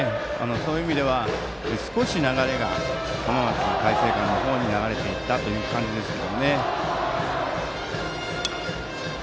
そういう意味では少し流れが浜松開誠館の方に流れていったという感じですね。